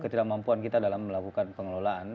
ketidakmampuan kita dalam melakukan pengelolaan